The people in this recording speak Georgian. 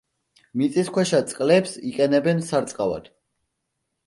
მიწისქვეშა წყლებს იყენებენ სარწყავად.